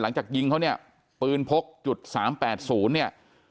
หลังจากยิงเขาเนี่ยปืนพกจุด๓๘๐เนี่ย